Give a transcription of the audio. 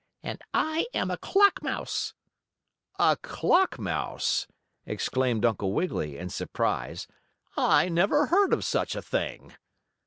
"And I am a clock mouse." "A clock mouse!" exclaimed Uncle Wiggily, in surprise. "I never heard of such a thing."